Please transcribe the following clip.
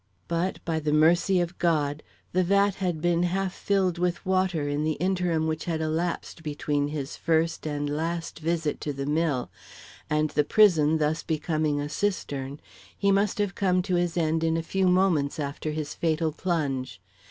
But, by the mercy of God, the vat had been half filled with water in the interim which had elapsed between his first and last visit to the mill, and the prison thus becoming a cistern, he must have come to his end in a few moments after his fatal plunge.